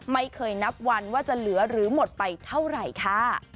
ไม่เคยนับวันว่าจะเหลือหรือหมดไปเท่าไหร่ค่ะ